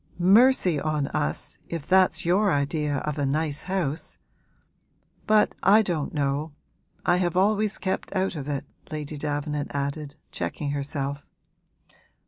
'Mercy on us, if that's your idea of a nice house! But I don't know I have always kept out of it,' Lady Davenant added, checking herself.